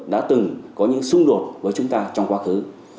đã từng có những xung đột với chúng ta trong quá khứ